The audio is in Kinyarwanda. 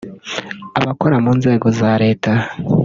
abakora mu nzego za leta